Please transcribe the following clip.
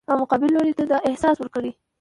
او مقابل لوري ته دا احساس ورکړي